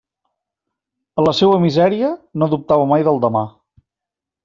En la seua misèria, no dubtava mai del demà.